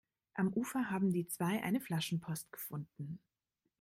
Am Ufer haben die zwei eine Flaschenpost gefunden.